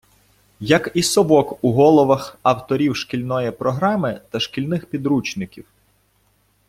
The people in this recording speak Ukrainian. Як і «совок» у головах авторів шкільної програми та шкільних підручників.